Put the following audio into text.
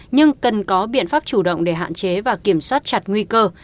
nhưng cần có biện pháp chủ động để hạn chế và kiểm soát chặt nguy cơ